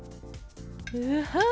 うはっ！